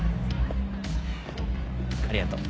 ありがとう。